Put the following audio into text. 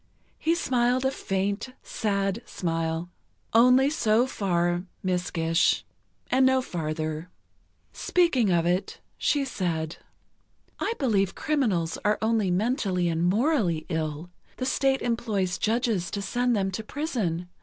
He smiled a faint, sad smile. "Only so far, Miss Gish, and no farther." Speaking of it, she said: "I believe criminals are only mentally and morally ill. The State employs judges to send them to prison.